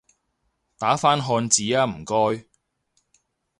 打返漢字吖唔該